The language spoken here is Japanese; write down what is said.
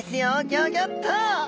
ギョギョッと！